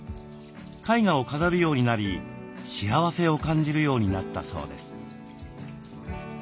絵画を飾るようになり幸せを感じるようになったそうです。